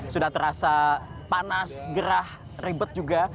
sudah terasa panas gerah ribet juga